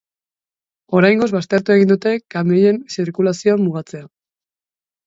Oraingoz, baztertu egin dute kamioien zirkulazioa mugatzea.